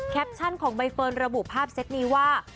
ชั่นของใบเฟิร์นระบุภาพเซ็ตนี้ว่า